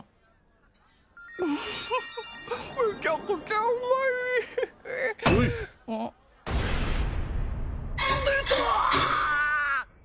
めちゃくちゃうまいほい出た！